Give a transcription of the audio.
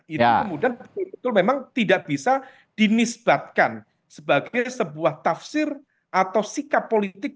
itu kemudian betul betul memang tidak bisa dinisbatkan sebagai sebuah tafsir atau sikap politik